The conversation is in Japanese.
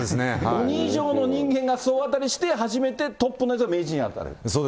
鬼以上の人間が総当たりして、初めてトップの人が名人に当たる。